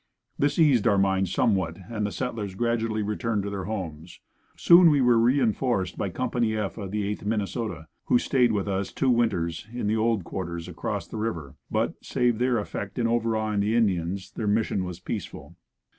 This eased our minds somewhat and the settlers gradually returned to their homes. Soon we were reinforced by Co. F. of the Eighth Minn., who stayed with us two winters in "The old quarters" across the river, but, save their effect in overawing the Indians, their mission was peaceful.